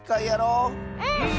うん！